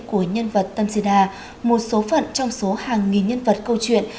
của nhân vật tâm sida một số phận trong số hàng nghìn nhân vật câu chuyện